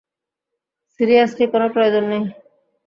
Seriously, কোনো প্রয়োজন নেই।